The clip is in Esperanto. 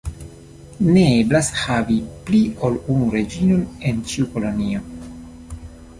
Ne eblas havi pli ol unu reĝinon en ĉiu kolonio.